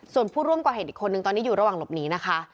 ส่วนผู้ร่วมก่อเหตุอีกคนนึงตอนนี้อยู่ระหว่างหลบหนีนะคะ